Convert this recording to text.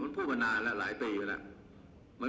พูดมานานแล้วหลายปีแล้ว